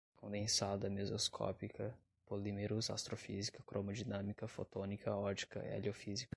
condensada, mesoscópica, polímeros, astrofísica, cromodinâmica, fotônica, ótica, heliofísica